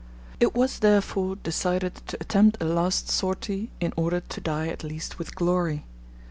It was therefore decided to attempt a last sortie in order to die at least with glory.